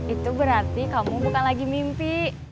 itu berarti kamu bukan lagi mimpi